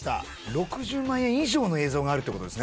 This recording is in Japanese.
６０万円以上の映像があるってことですね